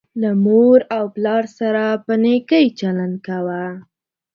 له مور او پلار سره په نیکۍ چلند کوه